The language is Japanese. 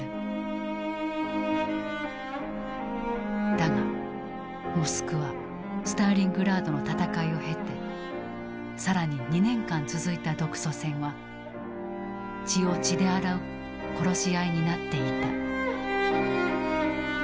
だがモスクワスターリングラードの戦いを経て更に２年間続いた独ソ戦は血を血で洗う殺し合いになっていった。